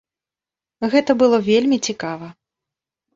Гэта было вельмі цікава.